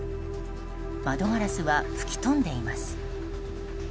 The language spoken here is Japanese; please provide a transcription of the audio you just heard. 窓ガラスは吹き飛んでいます。